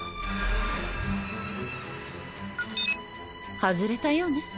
外れたようね